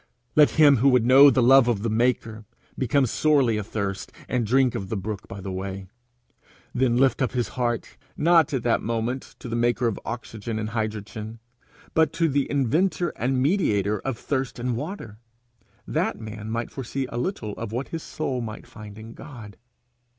Let him who would know the love of the maker, become sorely athirst, and drink of the brook by the way then lift up his heart not at that moment to the maker of oxygen and hydrogen, but to the inventor and mediator of thirst and water, that man might foresee a little of what his soul may find in God.